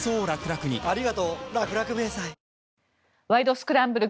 スクランブル」